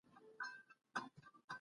نړیوال عدالت د قانون د حاکمیت بنسټ دی.